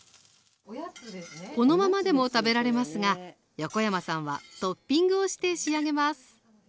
このままでも食べられますが横山さんはトッピングをして仕上げます